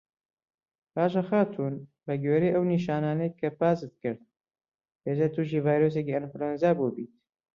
باشه خاتوون بە گوێرەی ئەو نیشانانەی کە باست کرد پێدەچێت تووشی ڤایرۆسێکی ئەنفلەوەنزا بووبیت